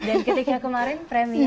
dan ketika kemarin premiere